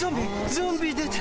ゾンビ出た！